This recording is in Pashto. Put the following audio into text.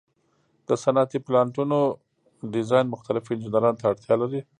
د صنعتي پلانټونو ډیزاین مختلفو انجینرانو ته اړتیا لري.